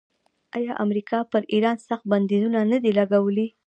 آیا امریکا پر ایران سخت بندیزونه نه دي لګولي؟